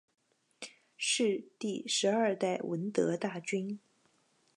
是第十二代闻得大君。